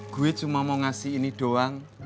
gue cuma mau ngasih ini doang